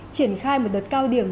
triển khai một đợt cao điểm